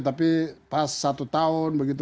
tapi pas satu tahun begitu